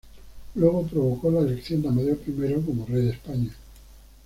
Luego provocó la elección de Amadeo I como rey de España.